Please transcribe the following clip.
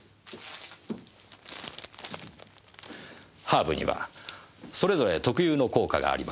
ハーブにはそれぞれ特有の効果があります。